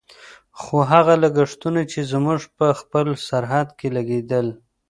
خو هغه لګښتونه چې زموږ په خپل سرحد کې لګېدل.